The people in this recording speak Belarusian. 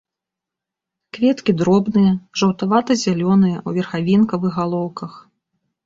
Кветкі дробныя, жаўтавата-зялёныя, у верхавінкавых галоўках.